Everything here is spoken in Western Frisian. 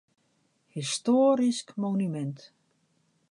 Histoarysk monumint.